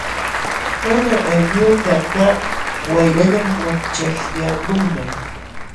Mana aylluyuq kaqkaq wayrallam wakchaśhyaqlunman.